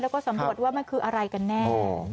แล้วก็สำรวจว่ามันคืออะไรกันแน่